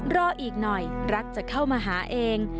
รออีกหน่อยรักจะเข้ามาหาเอง